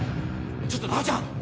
ちょっと直ちゃん。